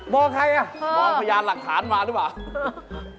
ใครอ่ะมองพยานหลักฐานมาหรือเปล่า